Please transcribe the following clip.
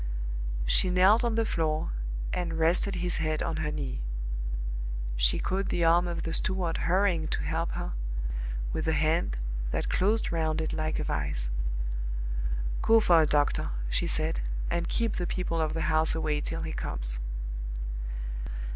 She knelt on the floor, and rested his head on her knee. She caught the arm of the steward hurrying to help her, with a hand that closed round it like a vise. "Go for a doctor," she said, "and keep the people of the house away till he comes."